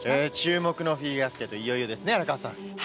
注目のフィギュアスケート、いよいよですね、荒川さん。